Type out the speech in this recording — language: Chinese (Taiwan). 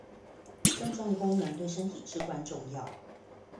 腎臟功能對身體至關重要